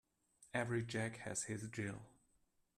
Every Jack has his Jill.